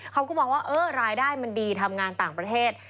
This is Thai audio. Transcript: เขาก็มองว่าเออรายได้มันดีทำงานต่างประเทศ